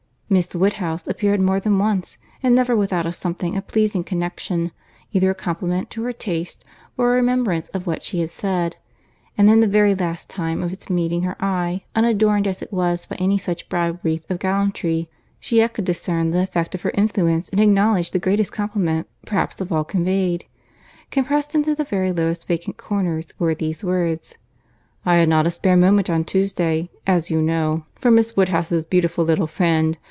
Miss Woodhouse appeared more than once, and never without a something of pleasing connexion, either a compliment to her taste, or a remembrance of what she had said; and in the very last time of its meeting her eye, unadorned as it was by any such broad wreath of gallantry, she yet could discern the effect of her influence and acknowledge the greatest compliment perhaps of all conveyed. Compressed into the very lowest vacant corner were these words—"I had not a spare moment on Tuesday, as you know, for Miss Woodhouse's beautiful little friend.